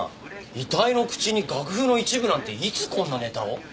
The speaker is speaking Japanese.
「遺体の口に楽譜の一部」なんていつこんなネタを？